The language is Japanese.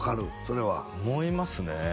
それは思いますね